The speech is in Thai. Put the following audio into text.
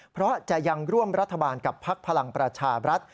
เพราะจะยังร่วมรัฐบาลกับพักพลังประชาบรัฐ